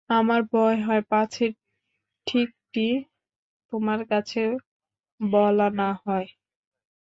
আমার ভয় হয় পাছে ঠিকটি তোমার কাছে বলা না হয়।